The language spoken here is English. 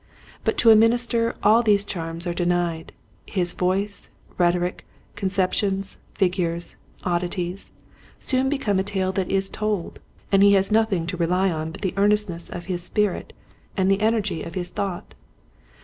But to a minister all these charms are denied. His voice, rhetoric, concep tions, figures, oddities, soon become a tale that is told, and he has nothing to rely on but the earnestness of his spirit 46 Quiet Hints to Growing Preachers. and the energy of his thought.